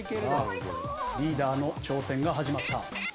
リーダーの挑戦が始まった。